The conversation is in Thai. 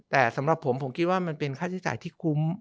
แต่สำหรับผมผมคิดว่ามันเป็นค่าใช้จ่ายที่คุ้ม